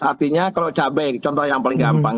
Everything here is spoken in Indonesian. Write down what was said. artinya kalau cabai contoh yang paling gampang